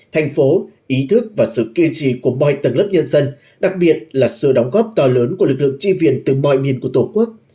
thành phố ý thức và sự kiên trì của mọi tầng lớp nhân dân đặc biệt là sự đóng góp to lớn của lực lượng tri viện từ mọi miền của tổ quốc